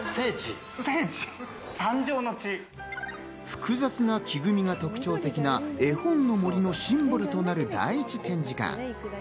複雑な木組みが特徴的な絵本の森のシンボルとなる第１展示館。